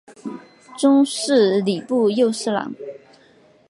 终仕礼部右侍郎。